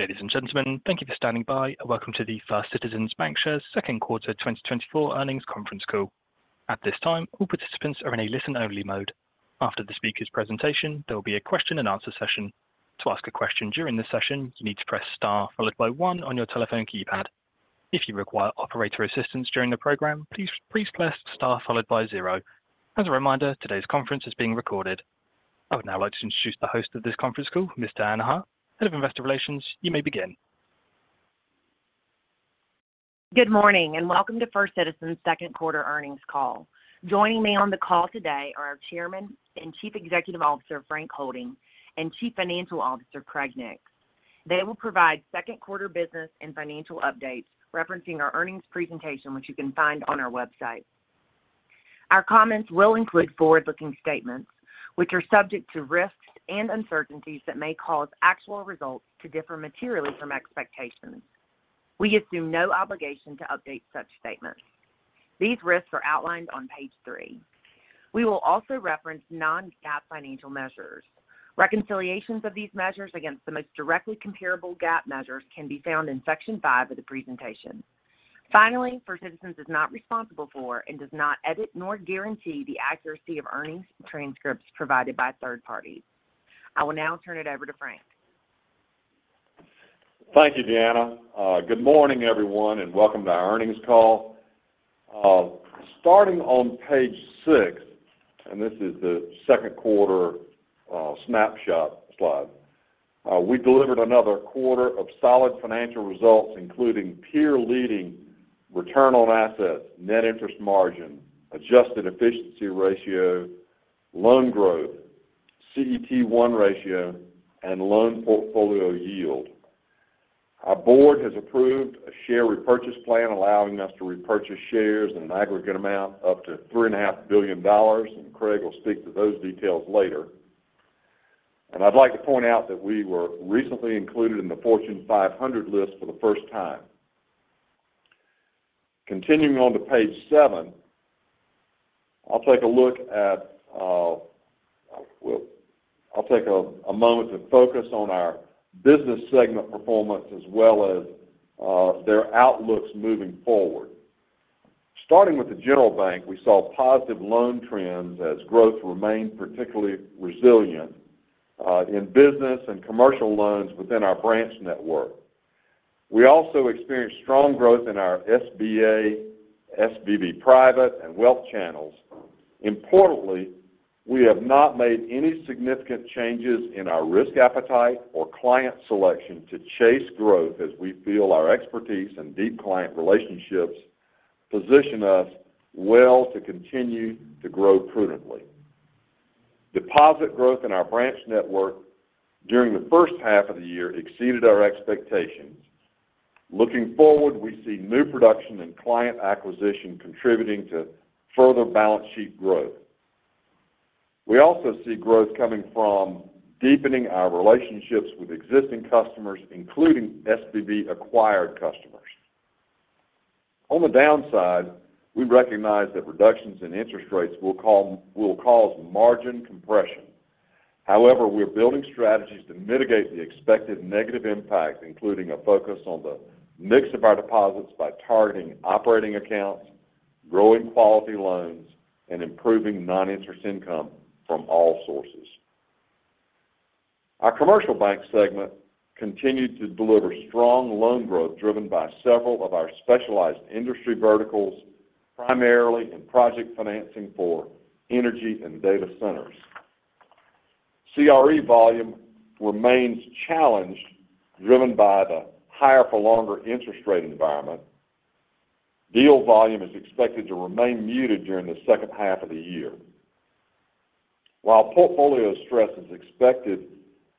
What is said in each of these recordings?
Ladies and gentlemen, thank you for standing by, and welcome to the First Citizens BancShares Second Quarter 2024 Earnings Conference Call. At this time, all participants are in a listen-only mode. After the speaker's presentation, there will be a question-and-answer session. To ask a question during this session, you need to press star followed by one on your telephone keypad. If you require operator assistance during the program, please press star followed by zero. As a reminder, today's conference is being recorded. I would now like to introduce the host of this conference call, Deanna Hart, Head of Investor Relations. You may begin. Good morning, and welcome to First Citizens' Second Quarter Earnings Call. Joining me on the call today are our Chairman and Chief Executive Officer Frank Holding and Chief Financial Officer Craig Nix. They will provide second quarter business and financial updates referencing our earnings presentation, which you can find on our website. Our comments will include forward-looking statements, which are subject to risks and uncertainties that may cause actual results to differ materially from expectations. We assume no obligation to update such statements. These risks are outlined on page three. We will also reference non-GAAP financial measures. Reconciliations of these measures against the most directly comparable GAAP measures can be found in section five of the presentation. Finally, First Citizens is not responsible for and does not edit nor guarantee the accuracy of earnings transcripts provided by third parties. I will now turn it over to Frank. Thank you, Deanna. Good morning, everyone, and welcome to our earnings call. Starting on page six, and this is the second quarter snapshot slide, we delivered another quarter of solid financial results, including peer-leading return on assets, net interest margin, adjusted efficiency ratio, loan growth, CET1 ratio, and loan portfolio yield. Our board has approved a share repurchase plan, allowing us to repurchase shares in an aggregate amount up to $3.5 billion, and Craig will speak to those details later. I'd like to point out that we were recently included in the Fortune 500 list for the first time. Continuing on to page seven, I'll take a look at, well, I'll take a moment to focus on our business segment performance as well as their outlooks moving forward. Starting with the General Bank, we saw positive loan trends as growth remained particularly resilient in business and commercial loans within our branch network. We also experienced strong growth in our SBA, SVB Private, and wealth channels. Importantly, we have not made any significant changes in our risk appetite or client selection to chase growth, as we feel our expertise and deep client relationships position us well to continue to grow prudently. Deposit growth in our branch network during the first half of the year exceeded our expectations. Looking forward, we see new production and client acquisition contributing to further balance sheet growth. We also see growth coming from deepening our relationships with existing customers, including SVB-acquired customers. On the downside, we recognize that reductions in interest rates will cause margin compression. However, we're building strategies to mitigate the expected negative impact, including a focus on the mix of our deposits by targeting operating accounts, growing quality loans, and improving non-interest income from all sources. Our Commercial Bank segment continued to deliver strong loan growth driven by several of our specialized industry verticals, primarily in project financing for energy and data centers. CRE volume remains challenged, driven by the higher-for-longer interest rate environment. Deal volume is expected to remain muted during the second half of the year. While portfolio stress is expected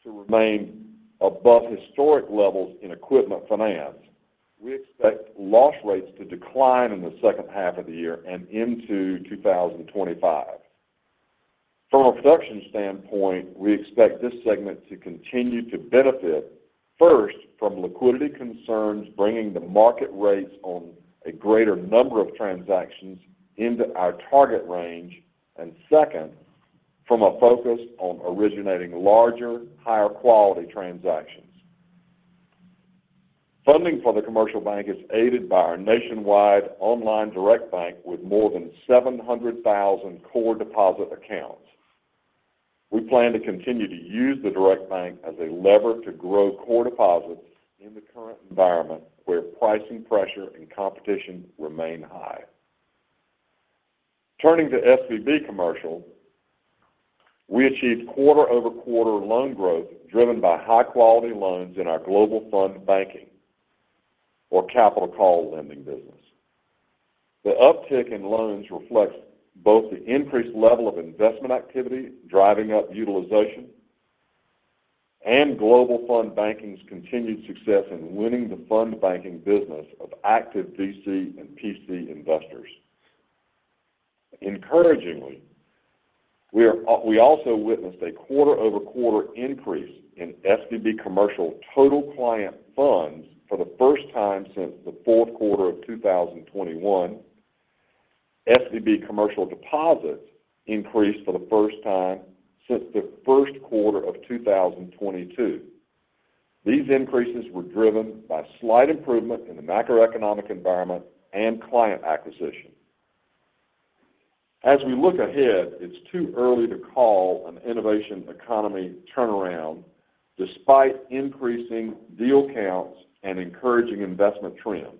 to remain above historic levels in equipment finance, we expect loss rates to decline in the second half of the year and into 2025. From a production standpoint, we expect this segment to continue to benefit, first, from liquidity concerns bringing the market rates on a greater number of transactions into our target range, and second, from a focus on originating larger, higher-quality transactions. Funding for the Commercial Bank is aided by our nationwide online Direct Bank with more than 700,000 core deposit accounts. We plan to continue to use the Direct Bank as a lever to grow core deposits in the current environment where pricing pressure and competition remain high. Turning to SVB Commercial, we achieved quarter-over-quarter loan growth driven by high-quality loans in our Global Fund Banking or capital call lending business. The uptick in loans reflects both the increased level of investment activity driving up utilization and Global Fund Banking's continued success in winning the fund banking business of active VC and PC investors. Encouragingly, we also witnessed a quarter-over-quarter increase in SVB Commercial total client funds for the first time since the fourth quarter of 2021. SVB Commercial deposits increased for the first time since the first quarter of 2022. These increases were driven by slight improvement in the macroeconomic environment and client acquisition. As we look ahead, it's too early to call an innovation economy turnaround despite increasing deal counts and encouraging investment trends.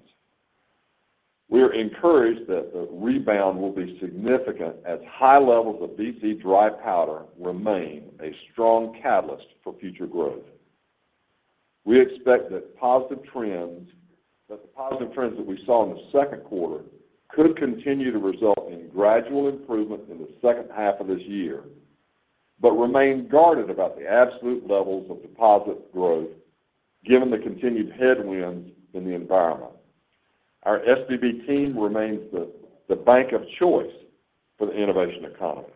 We are encouraged that the rebound will be significant as high levels of VC dry powder remain a strong catalyst for future growth. We expect that the positive trends that we saw in the second quarter could continue to result in gradual improvement in the second half of this year, but remain guarded about the absolute levels of deposit growth given the continued headwinds in the environment. Our SVB team remains the bank of choice for the innovation economy.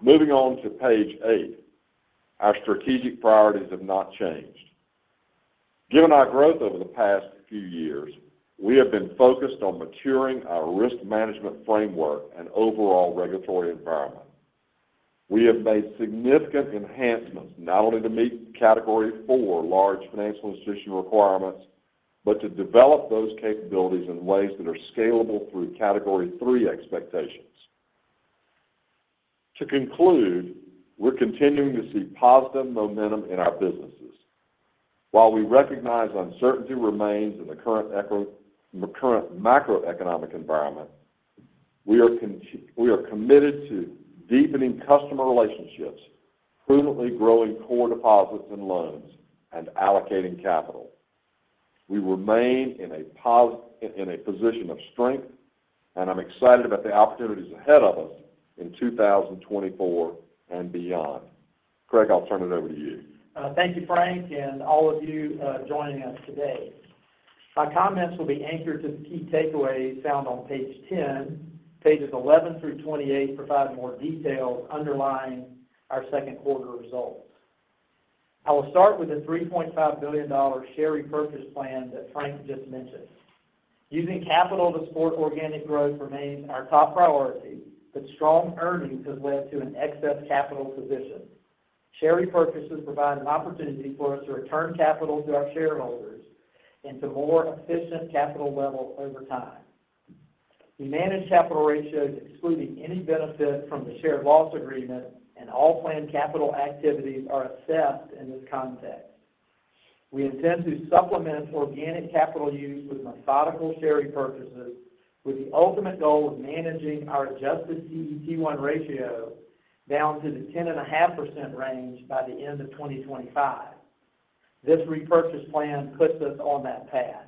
Moving on to page eight, our strategic priorities have not changed. Given our growth over the past few years, we have been focused on maturing our risk management framework and overall regulatory environment. We have made significant enhancements not only to meet Category IV large financial institution requirements, but to develop those capabilities in ways that are scalable through Category III expectations. To conclude, we're continuing to see positive momentum in our businesses. While we recognize uncertainty remains in the current macroeconomic environment, we are committed to deepening customer relationships, prudently growing core deposits and loans, and allocating capital. We remain in a position of strength, and I'm excited about the opportunities ahead of us in 2024 and beyond. Craig, I'll turn it over to you. Thank you, Frank, and all of you joining us today. My comments will be anchored to the key takeaways found on page 10, pages 11 through 28, providing more details underlying our second quarter results. I will start with the $3.5 billion share repurchase plan that Frank just mentioned. Using capital to support organic growth remains our top priority, but strong earnings have led to an excess capital position. Share repurchases provide an opportunity for us to return capital to our shareholders into more efficient capital levels over time. We manage capital ratios excluding any benefit from the share loss agreement, and all planned capital activities are assessed in this context. We intend to supplement organic capital use with methodical share repurchases, with the ultimate goal of managing our adjusted CET1 ratio down to the 10.5% range by the end of 2025. This repurchase plan puts us on that path.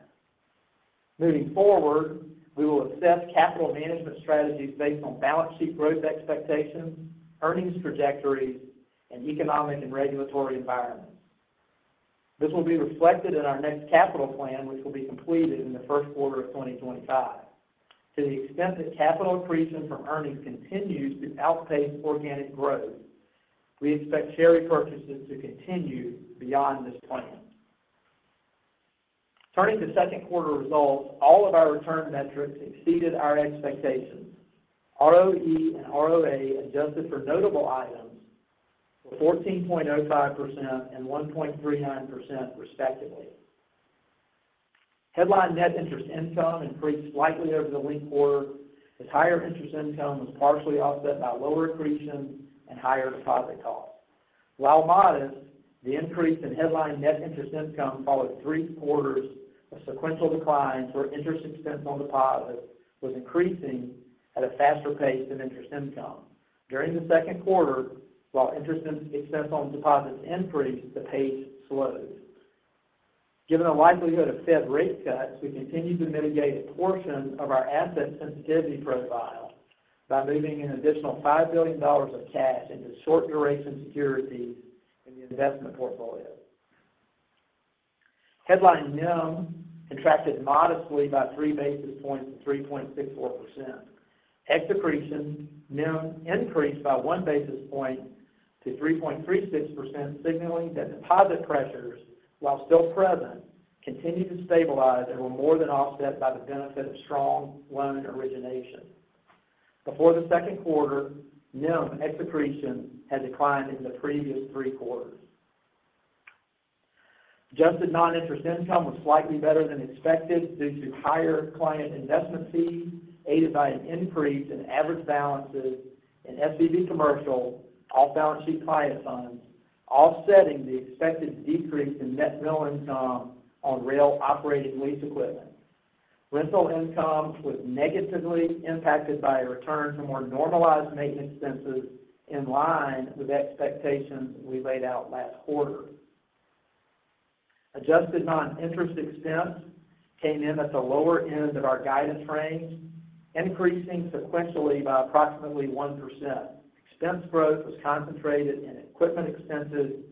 Moving forward, we will assess capital management strategies based on balance sheet growth expectations, earnings trajectories, and economic and regulatory environments. This will be reflected in our next capital plan, which will be completed in the first quarter of 2025. To the extent that capital accretion from earnings continues to outpace organic growth, we expect share repurchases to continue beyond this plan. Turning to second quarter results, all of our return metrics exceeded our expectations. ROE and ROA adjusted for notable items for 14.05% and 1.39%, respectively. Headline net interest income increased slightly over the linked quarter as higher interest income was partially offset by lower accretion and higher deposit costs. While modest, the increase in headline net interest income followed three quarters of sequential declines where interest expense on deposits was increasing at a faster pace than interest income. During the second quarter, while interest expense on deposits increased, the pace slowed. Given the likelihood of Fed rate cuts, we continued to mitigate a portion of our asset sensitivity profile by moving an additional $5 billion of cash into short-duration securities in the investment portfolio. Headline NEM contracted modestly by three basis points to 3.64%. Ex-accretion NEM increased by one basis point to 3.36%, signaling that deposit pressures, while still present, continued to stabilize and were more than offset by the benefit of strong loan origination. Before the second quarter, NEM ex-accretion had declined in the previous three quarters. Adjusted non-interest income was slightly better than expected due to higher client investment fees, aided by an increase in average balances in SVB Commercial off-balance sheet client funds, offsetting the expected decrease in net rail income on rail operating lease equipment. Rental income was negatively impacted by a return from more normalized maintenance expenses in line with expectations we laid out last quarter. Adjusted non-interest expense came in at the lower end of our guidance range, increasing sequentially by approximately 1%. Expense growth was concentrated in equipment expenses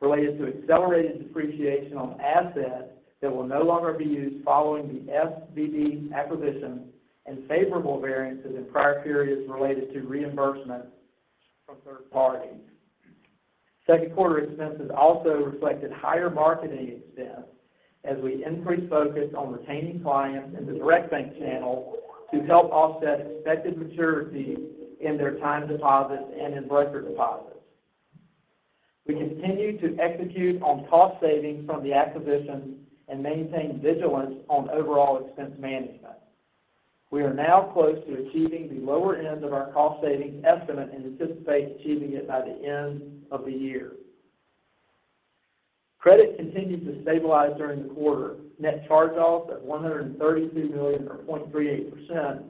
related to accelerated depreciation on assets that will no longer be used following the SVB acquisition and favorable variances in prior periods related to reimbursement from third parties. Second quarter expenses also reflected higher marketing expense as we increased focus on retaining clients in the Direct Bank channel to help offset expected maturity in their time deposits and in brokered deposits. We continue to execute on cost savings from the acquisition and maintain vigilance on overall expense management. We are now close to achieving the lower end of our cost savings estimate and anticipate achieving it by the end of the year. Credit continued to stabilize during the quarter. Net charge-offs of $132 million or 0.38%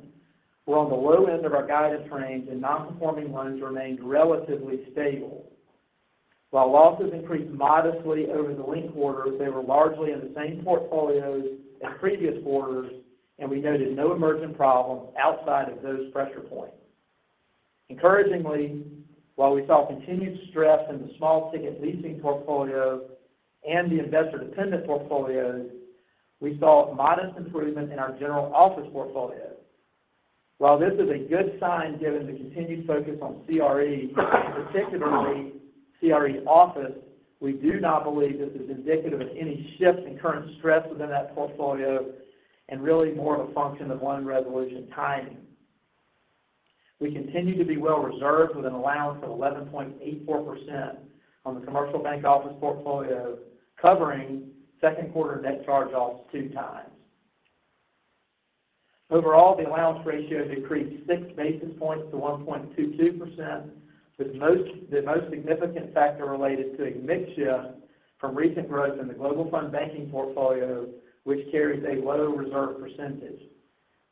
were on the low end of our guidance range, and non-performing loans remained relatively stable. While losses increased modestly over the linked quarters, they were largely in the same portfolios as previous quarters, and we noted no emergent problems outside of those pressure points. Encouragingly, while we saw continued stress in the small-ticket leasing portfolios and the investor-dependent portfolios, we saw modest improvement in our general office portfolio. While this is a good sign given the continued focus on CRE, particularly CRE office, we do not believe this is indicative of any shift in current stress within that portfolio and really more of a function of loan resolution timing. We continue to be well reserved with an allowance of 11.84% on the Commercial Bank office portfolio, covering second quarter net charge-offs two times. Overall, the allowance ratio decreased six basis points to 1.22%, with the most significant factor related to a migration from recent growth in the Global Fund Banking portfolio, which carries a low reserve percentage.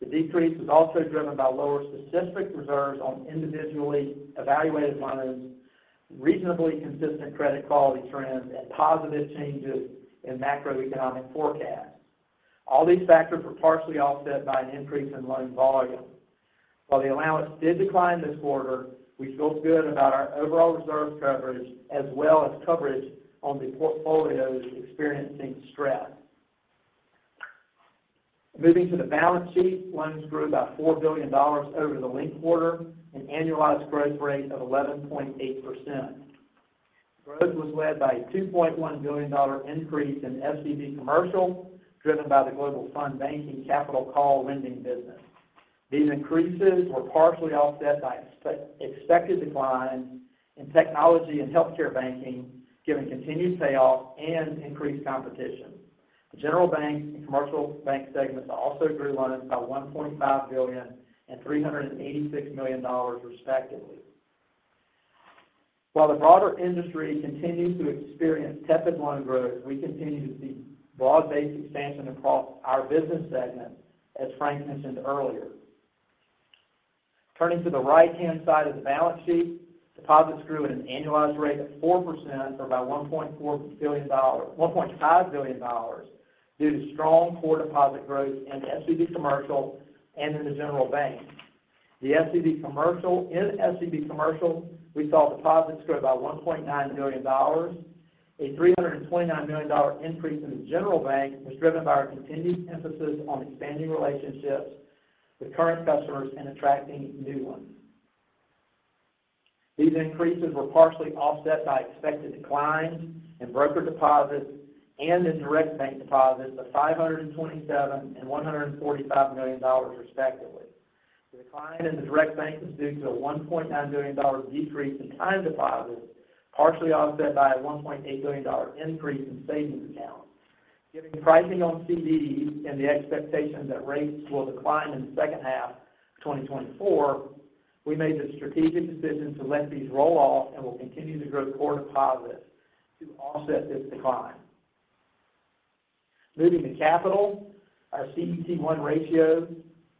The decrease was also driven by lower specific reserves on individually evaluated loans, reasonably consistent credit quality trends, and positive changes in macroeconomic forecasts. All these factors were partially offset by an increase in loan volume. While the allowance did decline this quarter, we feel good about our overall reserve coverage as well as coverage on the portfolios experiencing stress. Moving to the balance sheet, loans grew by $4 billion over the linked quarter and annualized growth rate of 11.8%. Growth was led by a $2.1 billion increase in SVB Commercial driven by the Global Fund Banking Capital Call Lending business. These increases were partially offset by expected declines in technology and healthcare banking, given continued payoffs and increased competition. The General Bank and Commercial Bank segments also grew loans by $1.5 billion and $386 million, respectively. While the broader industry continues to experience tepid loan growth, we continue to see broad-based expansion across our business segment, as Frank mentioned earlier. Turning to the right-hand side of the balance sheet, deposits grew at an annualized rate of 4%, or by $1.5 billion, due to strong core deposit growth in SVB Commercial and in the General Bank. In SVB Commercial, we saw deposits grow by $1.9 billion. A $329 million increase in the General Bank was driven by our continued emphasis on expanding relationships with current customers and attracting new ones. These increases were partially offset by expected declines in broker deposits and in Direct Bank deposits of $527 million and $145 million, respectively. The decline in the Direct Bank was due to a $1.9 billion decrease in time deposits, partially offset by a $1.8 billion increase in savings accounts. Given pricing on CDs and the expectation that rates will decline in the second half of 2024, we made the strategic decision to let these roll off and will continue to grow core deposits to offset this decline. Moving to capital, our CET1 ratio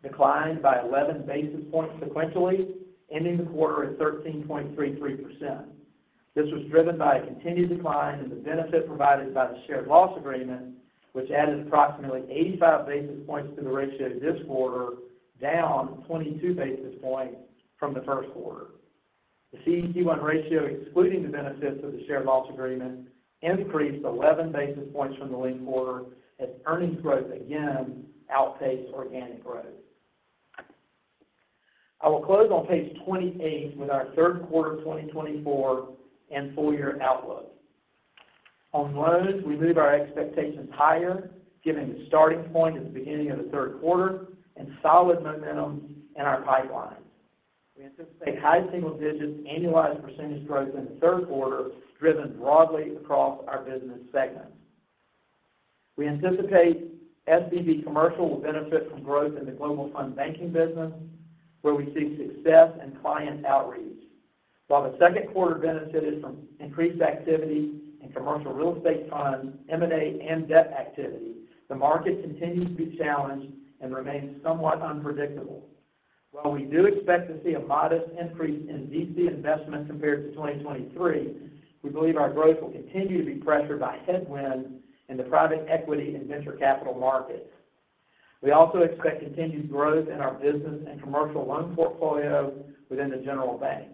declined by 11 basis points sequentially, ending the quarter at 13.33%. This was driven by a continued decline in the benefit provided by the share loss agreement, which added approximately 85 basis points to the ratio this quarter, down 22 basis points from the first quarter. The CET1 ratio, excluding the benefits of the share loss agreement, increased 11 basis points from the linked quarter, as earnings growth again outpaced organic growth. I will close on page 28 with our third quarter 2024 and full year outlook. On loans, we move our expectations higher, given the starting point at the beginning of the third quarter and solid momentum in our pipeline. We anticipate high single digits annualized percentage growth in the third quarter, driven broadly across our business segments. We anticipate SVB Commercial will benefit from growth in the Global Fund Banking business, where we see success in client outreach. While the second quarter benefited from increased activity in Commercial Real Estate funds, M&A, and debt activity, the market continues to be challenged and remains somewhat unpredictable. While we do expect to see a modest increase in VC investment compared to 2023, we believe our growth will continue to be pressured by headwinds in the private equity and venture capital markets. We also expect continued growth in our business and commercial loan portfolio within the general bank.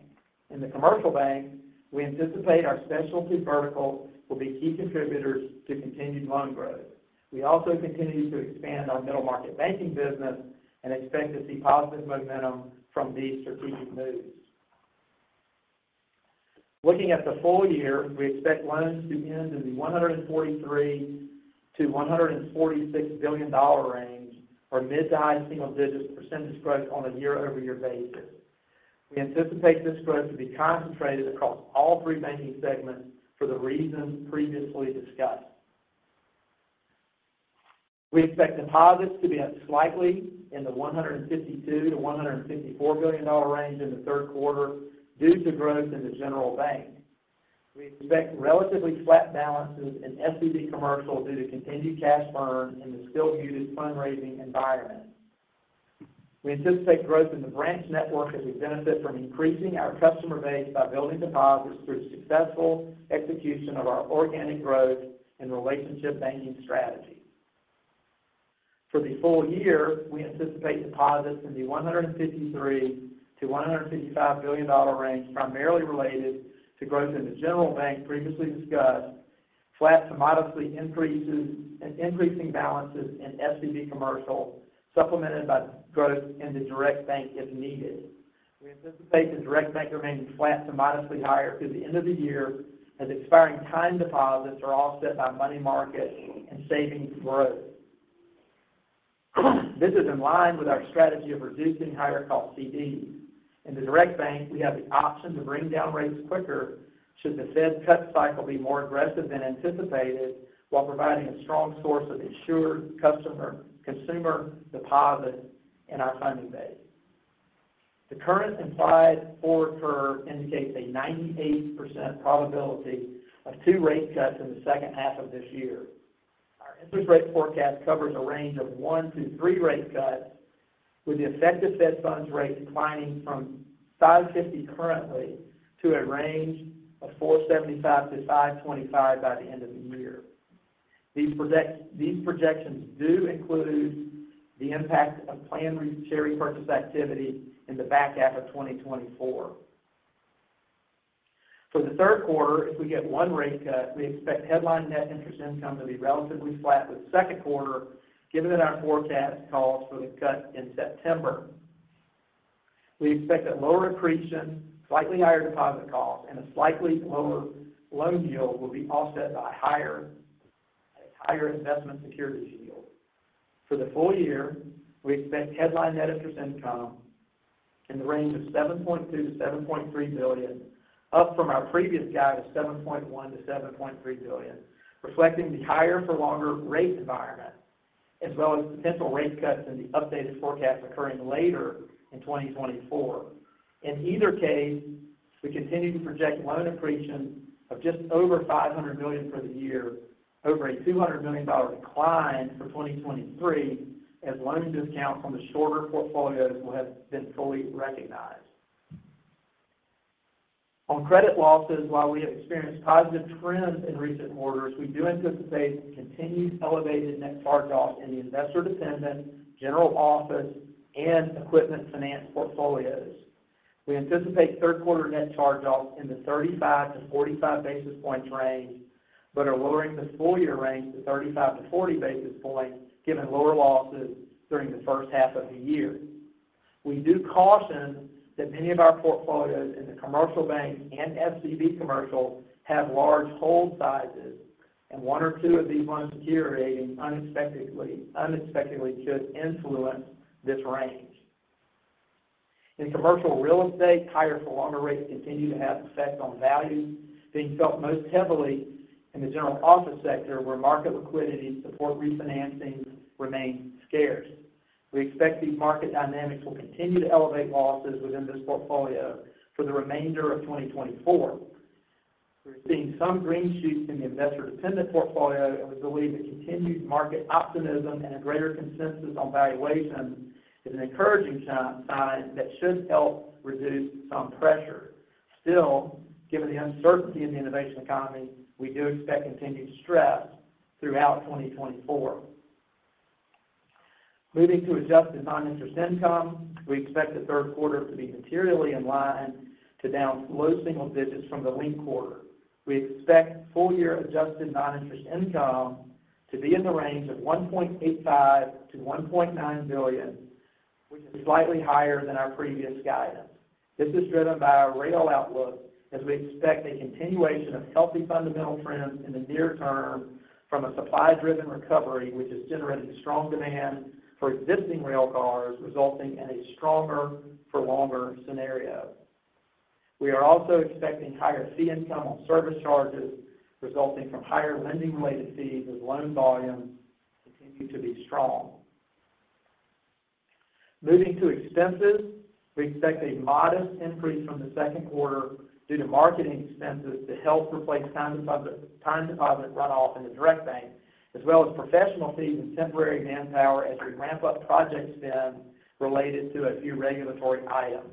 In the Commercial Bank, we anticipate our specialty verticals will be key contributors to continued loan growth. We also continue to expand our middle market banking business and expect to see positive momentum from these strategic moves. Looking at the full year, we expect loans to end in the $143 billion-$146 billion range, or mid- to high-single-digits% growth on a year-over-year basis. We anticipate this growth to be concentrated across all three banking segments for the reasons previously discussed. We expect deposits to be up slightly in the $152 billion-$154 billion range in the third quarter due to growth in the General Bank. We expect relatively flat balances in SVB Commercial due to continued cash burn in the still muted fundraising environment. We anticipate growth in the branch network as we benefit from increasing our customer base by building deposits through successful execution of our organic growth and relationship banking strategy. For the full year, we anticipate deposits in the $153 billion-$155 billion range, primarily related to growth in the General Bank previously discussed, flat to modestly increasing balances in SVB Commercial, supplemented by growth in the Direct Bank if needed. We anticipate the Direct Bank remaining flat to modestly higher through the end of the year as expiring time deposits are offset by money market and savings growth. This is in line with our strategy of reducing higher cost CDs. In the Direct Bank, we have the option to bring down rates quicker should the Fed cut cycle be more aggressive than anticipated while providing a strong source of insured customer consumer deposits in our funding base. The current implied forward curve indicates a 98% probability of two rate cuts in the second half of this year. Our interest rate forecast covers a range of one to three rate cuts, with the effective Fed funds rate declining from 550 currently to a range of 475-525 by the end of the year. These projections do include the impact of planned share repurchase activity in the back half of 2024. For the third quarter, if we get one rate cut, we expect headline net interest income to be relatively flat with the second quarter, given that our forecast calls for the cut in September. We expect that lower accretion, slightly higher deposit costs, and a slightly lower loan yield will be offset by higher investment securities yield. For the full year, we expect headline net interest income in the range of $7.2 billion-$7.3 billion, up from our previous guide of $7.1 billion-$7.3 billion, reflecting the higher-for-longer rate environment, as well as potential rate cuts in the updated forecast occurring later in 2024. In either case, we continue to project loan accretion of just over $500 million for the year, over a $200 million decline for 2023, as loan discounts on the shorter portfolios will have been fully recognized. On credit losses, while we have experienced positive trends in recent quarters, we do anticipate continued elevated net charge-offs in the investor-dependent general office and equipment finance portfolios. We anticipate third quarter net charge-offs in the 35-45 basis points range, but are lowering the full year range to 35-40 basis points, given lower losses during the first half of the year. We do caution that many of our portfolios in the Commercial Bank and SVB Commercial have large hold sizes, and one or two of these loans deteriorating unexpectedly could influence this range. In commercial real estate, higher-for-longer rates continue to have effect on values, being felt most heavily in the general office sector, where market liquidity to support refinancing remains scarce. We expect these market dynamics will continue to elevate losses within this portfolio for the remainder of 2024. We're seeing some green shoots in the investor-dependent portfolio, and we believe that continued market optimism and a greater consensus on valuation is an encouraging sign that should help reduce some pressure. Still, given the uncertainty in the innovation economy, we do expect continued stress throughout 2024. Moving to adjusted non-interest income, we expect the third quarter to be materially in line to down low single digits from the late quarter. We expect full year adjusted non-interest income to be in the range of $1.85 billion-$1.9 billion, which is slightly higher than our previous guidance. This is driven by our rail outlook, as we expect a continuation of healthy fundamental trends in the near term from a supply-driven recovery, which is generating strong demand for existing rail cars, resulting in a stronger-for-longer scenario. We are also expecting higher fee income on service charges, resulting from higher lending-related fees as loan volumes continue to be strong. Moving to expenses, we expect a modest increase from the second quarter due to marketing expenses to help replace time deposit runoff in the Direct Bank, as well as professional fees and temporary manpower as we ramp up project spend related to a few regulatory items.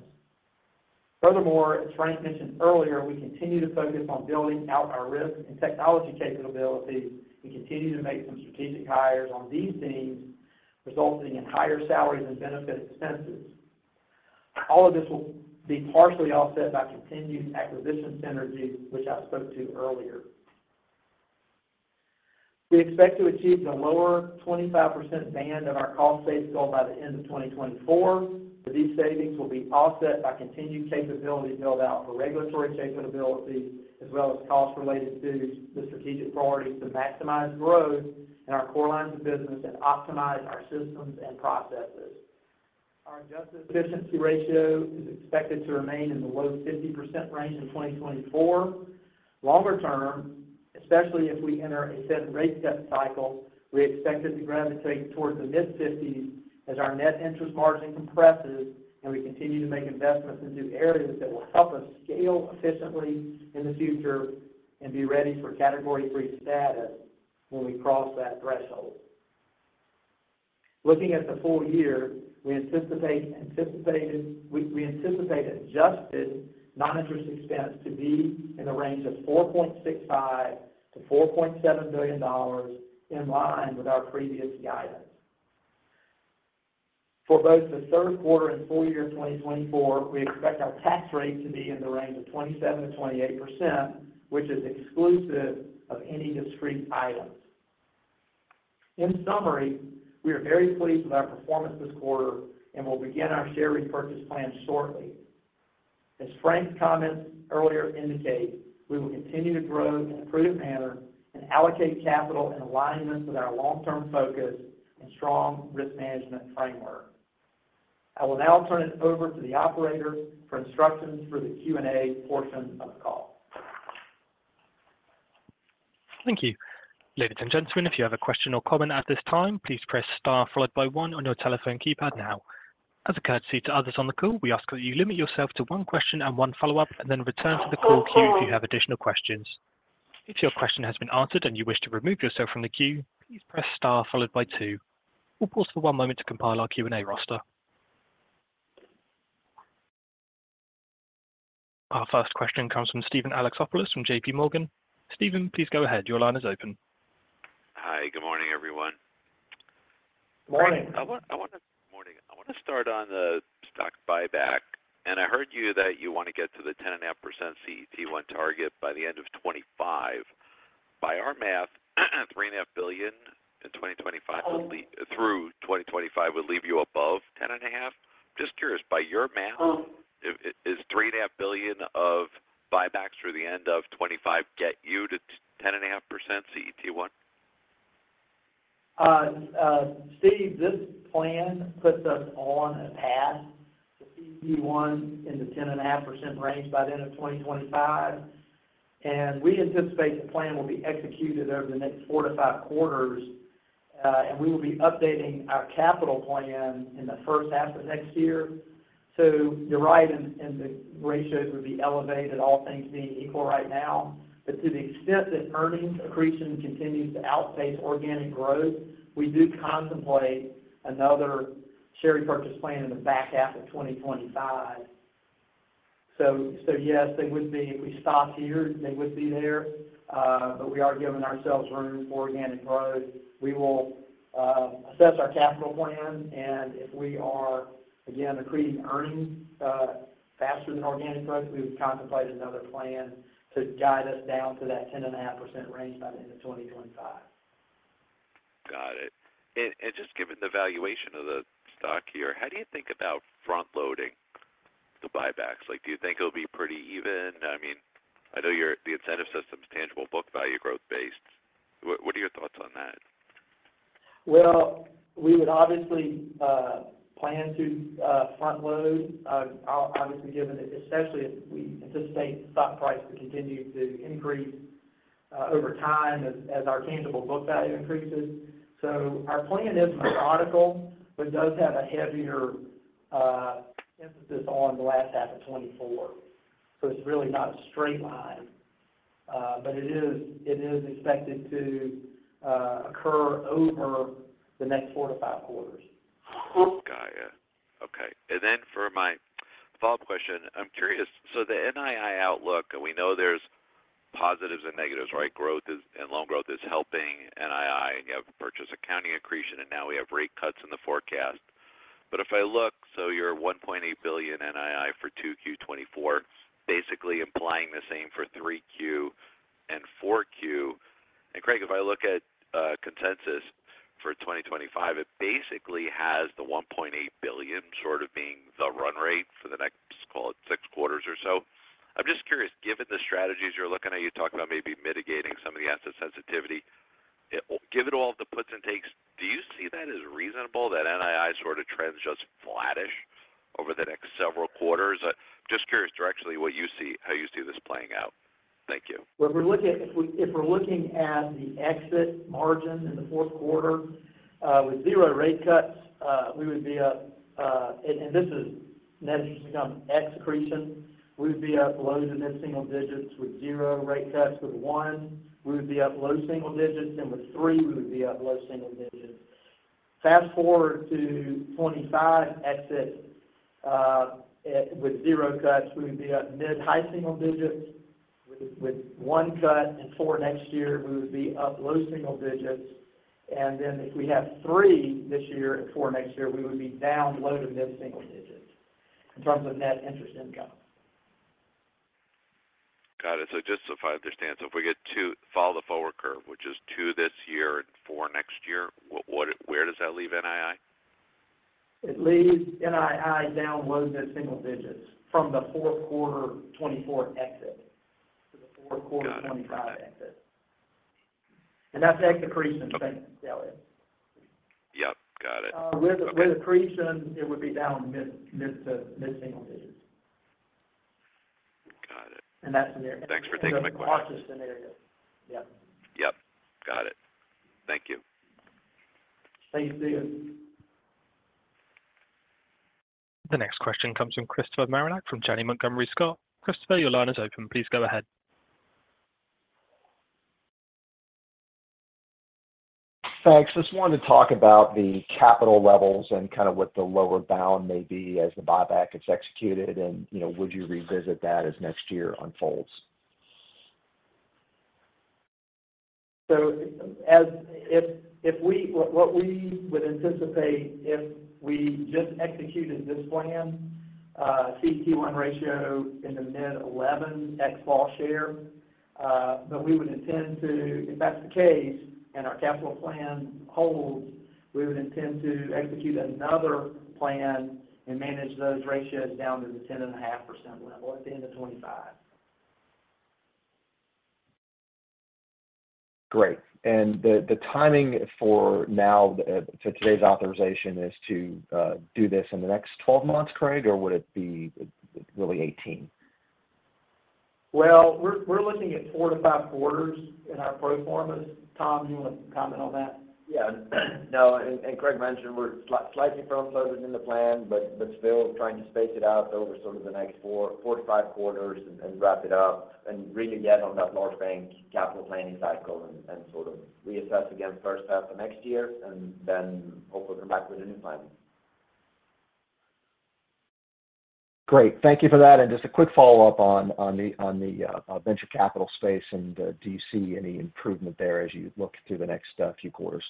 Furthermore, as Frank mentioned earlier, we continue to focus on building out our risk and technology capabilities and continue to make some strategic hires on these teams, resulting in higher salaries and benefit expenses. All of this will be partially offset by continued acquisition synergies, which I spoke to earlier. We expect to achieve the lower 25% band of our cost savings goal by the end of 2024. These savings will be offset by continued capability build-out for regulatory capabilities, as well as cost-related dues, the strategic priorities to maximize growth in our core lines of business and optimize our systems and processes. Our Adjusted Efficiency Ratio is expected to remain in the low 50% range in 2024. Longer term, especially if we enter a Fed rate cut cycle, we expect it to gravitate towards the mid-50s as our Net Interest Margin compresses and we continue to make investments into areas that will help us scale efficiently in the future and be ready for Category III status when we cross that threshold. Looking at the full year, we anticipate adjusted non-interest expense to be in the range of $4.65 billion-$4.7 billion, in line with our previous guidance. For both the third quarter and full year 2024, we expect our tax rate to be in the range of 27%-28%, which is exclusive of any discrete items. In summary, we are very pleased with our performance this quarter and will begin our share repurchase plan shortly. As Frank's comments earlier indicate, we will continue to grow in a prudent manner and allocate capital in alignment with our long-term focus and strong risk management framework. I will now turn it over to the operator for instructions for the Q&A portion of the call. Thank you. Ladies and gentlemen, if you have a question or comment at this time, please press star followed by one on your telephone keypad now. As a courtesy to others on the call, we ask that you limit yourself to one question and one follow-up, and then return to the call queue if you have additional questions. If your question has been answered and you wish to remove yourself from the queue, please press star followed by two. We'll pause for one moment to compile our Q&A roster. Our first question comes from Steven Alexopoulos from JPMorgan. Steven, please go ahead. Your line is open. Hi. Good morning, everyone. Morning. I want to start on the stock buyback, and I heard you that you want to get to the 10.5% CET1 target by the end of 2025. By our math, $3.5 billion in 2025 through 2025 would leave you above 10.5? I'm just curious, by your math, is $3.5 billion of buybacks through the end of 2025 get you to 10.5% CET1? Steve, this plan puts us on a path to CET1 in the 10.5% range by the end of 2025, and we anticipate the plan will be executed over the next four to five quarters, and we will be updating our capital plan in the first half of next year. So you're right, and the ratios would be elevated, all things being equal right now, but to the extent that earnings accretion continues to outpace organic growth, we do contemplate another share repurchase plan in the back half of 2025. So yes, they would be if we stopped here, they would be there, but we are giving ourselves room for organic growth. We will assess our capital plan, and if we are, again, accreting earnings faster than organic growth, we would contemplate another plan to guide us down to that 10.5% range by the end of 2025. Got it. Just given the valuation of the stock here, how do you think about front-loading the buybacks? Do you think it'll be pretty even? I mean, I know the incentive system's tangible book value growth-based. What are your thoughts on that? Well, we would obviously plan to front-load, obviously given especially if we anticipate stock price to continue to increase over time as our tangible book value increases. So our plan is periodical, but does have a heavier emphasis on the last half of 2024. So it's really not a straight line, but it is expected to occur over the next four to five quarters. Got it. Okay. Then for my follow-up question, I'm curious, so the NII outlook, and we know there's positives and negatives, right? Growth and loan growth is helping NII, and you have purchase accounting accretion, and now we have rate cuts in the forecast. But if I look, so you're $1.8 billion NII for 2Q24, basically implying the same for 3Q and 4Q. And Craig, if I look at consensus for 2025, it basically has the $1.8 billion sort of being the run rate for the next, call it, six quarters or so. I'm just curious, given the strategies you're looking at, you talked about maybe mitigating some of the asset sensitivity. Given all the puts and takes, do you see that as reasonable, that NII sort of trends just flattish over the next several quarters? Just curious directly what you see, how you see this playing out. Thank you. When we're looking at the exit margin in the fourth quarter, with zero rate cuts, we would be up, and this is net interest income ex accretion, we would be up low- to mid-single digits with zero rate cuts. With one, we would be up low single digits, and with three, we would be up low single digits. Fast forward to 2025 exit with zero cuts, we would be at mid-high single digits. With one cut and four next year, we would be up low single digits. And then if we have three this year and four next year, we would be down low to mid-single digits in terms of net interest income. Got it. So just so I understand, so if we get two, follow the forward curve, which is two this year and four next year, where does that leave NII? It leaves NII down low to single digits from the fourth quarter 2024 exit to the fourth quarter 2025 exit. And that's ex accretion thing. Yep. Got it. With accretion, it would be down mid-single digits. Got it. And that's the narrative. Thanks for taking my question. That's the Martian scenario. Yep. Yep. Got it. Thank you. Thank you. The next question comes from Christopher Marinac from Janney Montgomery Scott. Christopher, your line is open. Please go ahead. Thanks. Just wanted to talk about the capital levels and kind of what the lower bound may be as the buyback gets executed, and would you revisit that as next year unfolds? So what we would anticipate if we just executed this plan, CET1 ratio in the mid-11% ex full share, but we would intend to, if that's the case and our capital plan holds, we would intend to execute another plan and manage those ratios down to the 10.5% level at the end of 2025. Great. And the timing for now, for today's authorization, is to do this in the next 12 months, Craig, or would it be really 18? Well, we're looking at four to five quarters in our performance. Tom, do you want to comment on that? Yeah. No, and Craig mentioned we're slightly front-loaded in the plan, but still trying to space it out over sort of the next four to five quarters and wrap it up and really get on that large bank capital planning cycle and sort of reassess against first half of next year and then hopefully come back with a new plan. Great. Thank you for that. And just a quick follow-up on the venture capital space, and do you see any improvement there as you look through the next few quarters?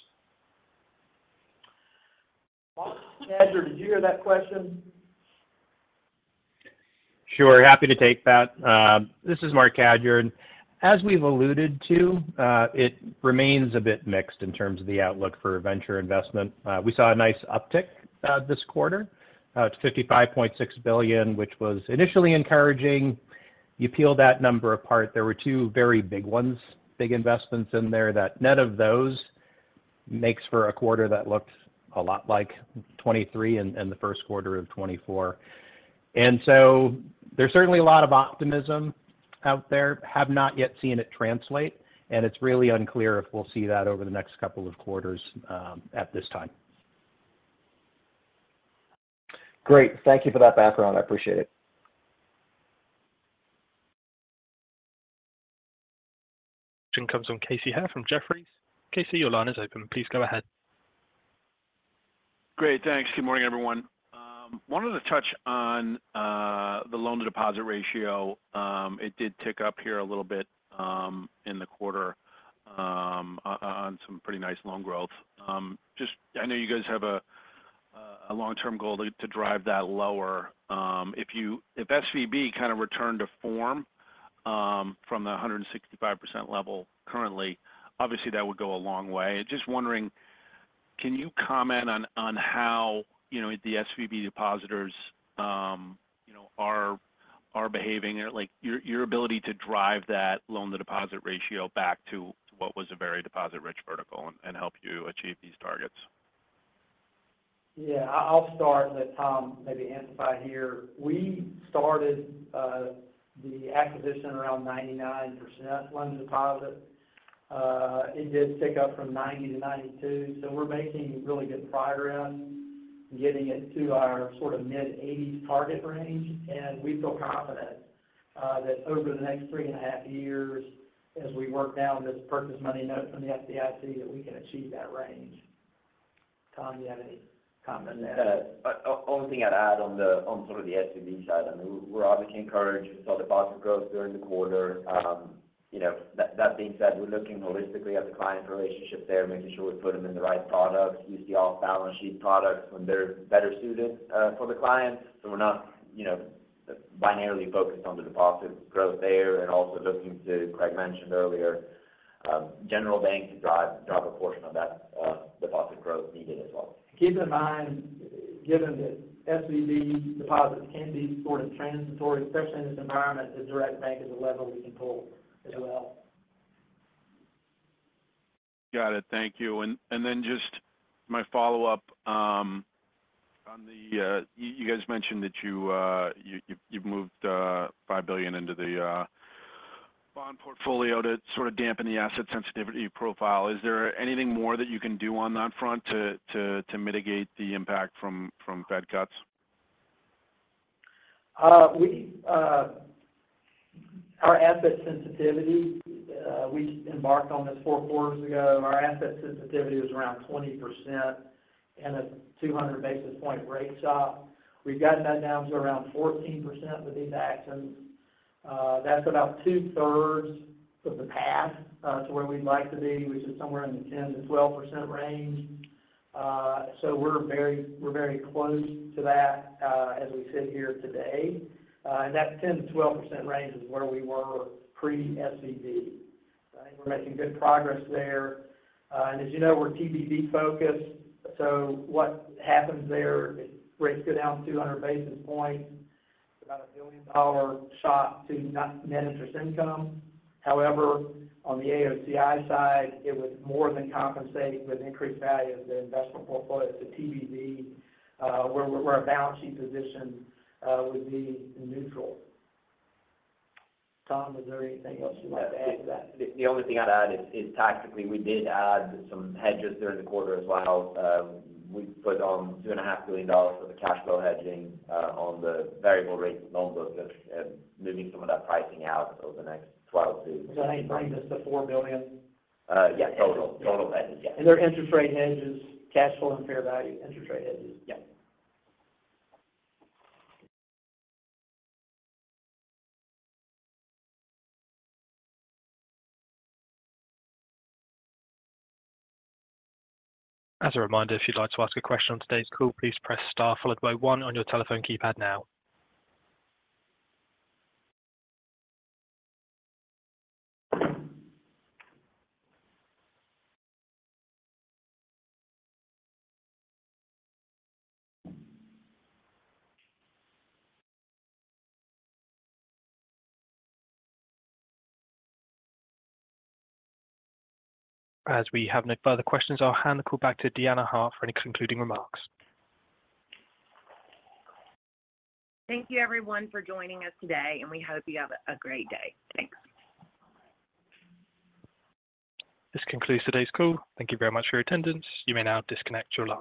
Marc Cadieux, did you hear that question? Sure. Happy to take that. This is Marc Cadieux. As we've alluded to, it remains a bit mixed in terms of the outlook for venture investment. We saw a nice uptick this quarter to $55.6 billion, which was initially encouraging. You peel that number apart, there were two very big ones, big investments in there. That net of those makes for a quarter that looked a lot like 2023 and the first quarter of 2024. So there's certainly a lot of optimism out there. I have not yet seen it translate, and it's really unclear if we'll see that over the next couple of quarters at this time. Great. Thank you for that background. I appreciate it. Comes from Casey Haire from Jefferies. Casey, your line is open. Please go ahead. Great. Thanks. Good morning, everyone. Wanted to touch on the loan-to-deposit ratio. It did tick up here a little bit in the quarter on some pretty nice loan growth. Just I know you guys have a long-term goal to drive that lower. If SVB kind of returned to form from the 165% level currently, obviously that would go a long way. Just wondering, can you comment on how the SVB depositors are behaving and your ability to drive that loan-to-deposit ratio back to what was a very deposit-rich vertical and help you achieve these targets? Yeah. I'll start, and then Tom maybe amplify here. We started the acquisition around 99% loan-to-deposit. It did tick up from 90%-92%. So we're making really good progress, getting it to our sort of mid-80s target range, and we feel confident that over the next three and a half years, as we work down this purchase money note from the FDIC, that we can achieve that range. Tom, do you have any comment on that? Only thing I'd add on sort of the SVB side, I mean, we're obviously encouraged with deposit growth during the quarter. That being said, we're looking holistically at the client relationship there, making sure we put them in the right products, use the off-balance sheet products when they're better suited for the client. So we're not binarily focused on the deposit growth there and also looking to, Craig mentioned earlier, General Bank to drive a portion of that deposit growth needed as well. Keep in mind, given that SVB deposits can be sort of transitory, especially in this environment, the Direct Bank is a level we can pull as well. Got it. Thank you. And then just my follow-up on the you guys mentioned that you've moved $5 billion into the bond portfolio to sort of dampen the asset sensitivity profile. Is there anything more that you can do on that front to mitigate the impact from Fed cuts? Our asset sensitivity, we embarked on this four quarters ago. Our asset sensitivity was around 20% and a 200 basis point rate shock. We've gotten that down to around 14% with these actions. That's about two-thirds of the path to where we'd like to be, which is somewhere in the 10%-12% range. So we're very close to that as we sit here today. And that 10%-12% range is where we were pre-SVB. I think we're making good progress there. And as you know, we're TBV-focused. So what happens there is rates go down 200 basis points. It's about a billion-dollar shock to net interest income. However, on the AOCI side, it would more than compensate with increased value of the investment portfolio to TBV, where our balance sheet position would be neutral. Tom, is there anything else you'd like to add to that? The only thing I'd add is tactically, we did add some hedges during the quarter as well. We put on $2.5 billion for the cash flow hedging on the variable rate loan look and moving some of that pricing out over the next 12 to 18 months. Does that equate us to $4 billion? Yeah. Total. Total hedges. Yeah. And they're interest rate hedges, cash flow and fair value interest rate hedges. Yeah. As a reminder, if you'd like to ask a question on today's call, please press star followed by one on your telephone keypad now. As we have no further questions, I'll hand the call back to Deanna Hart for any concluding remarks. Thank you, everyone, for joining us today, and we hope you have a great day. Thanks. This concludes today's call. Thank you very much for your attendance. You may now disconnect your line.